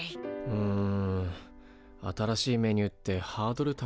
うん。